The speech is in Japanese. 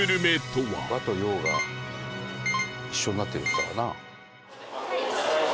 和と洋が一緒になってるっつってたからな。